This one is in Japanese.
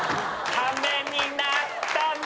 ためになったよ！